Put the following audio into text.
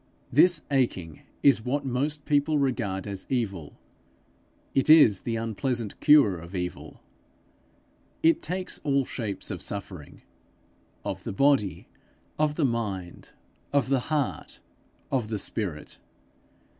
This aching is what most people regard as evil: it is the unpleasant cure of evil. It takes all shapes of suffering of the body, of the mind, of the heart, of the spirit.